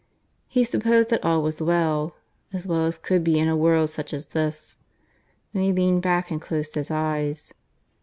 He supposed that all was well as well as could be in a world such as this. Then he leaned back and closed his eyes.